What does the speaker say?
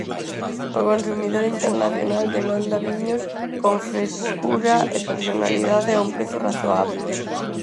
O consumidor internacional demanda viños con frescura e personalidade a un prezo razoábel.